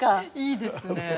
いいですね。